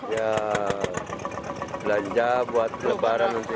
ya belanja buat lebaran